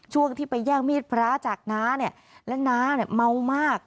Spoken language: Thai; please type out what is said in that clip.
ช่วงที่ไปแย่งมีดพระจากน้าและน้าเมามาก